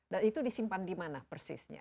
dan itu disimpan dimana persisnya